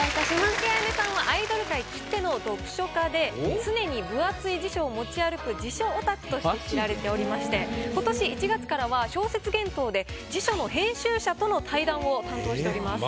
鈴木絢音さんはアイドル界きっての読書家で常に分厚い辞書を持ち歩く辞書オタクとして知られておりまして今年１月からは「小説幻冬」で辞書の編集者との対談を担当しております。